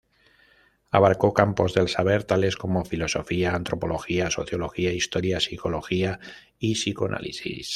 Abarcó campos del saber tales como: filosofía, antropología, sociología, historia psicología, y psicoanálisis.